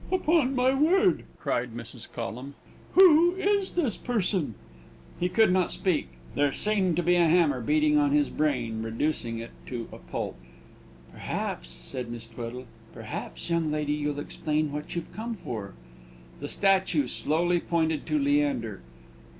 "Upon my word!" cried Mrs. Collum. "Who is this person?" He could not speak. There seemed to be a hammer beating on his brain, reducing it to a pulp. "Perhaps," said Miss Tweddle "perhaps, young lady, you'll explain what you've come for?" The statue slowly pointed to Leander.